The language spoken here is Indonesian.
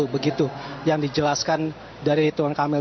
begitu yang dijelaskan dari rituan kamil